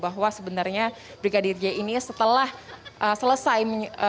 bahwa sebenarnya brigadir j ini setelah selesai